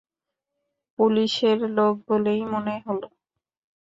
পুলিশের লোক বলেই মনে হল।